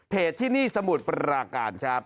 เพจที่นี่สมุดประการครับ